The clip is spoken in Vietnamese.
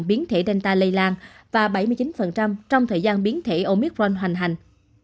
biến thể danta lây lan và bảy mươi chín trong thời gian biến thể omicron hoành hành